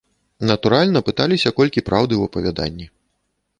Натуральна, пыталіся колькі праўды ў апавяданні.